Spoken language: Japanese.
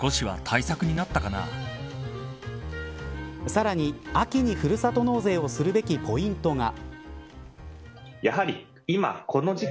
さらに、秋にふるさと納税をするべきポイントが。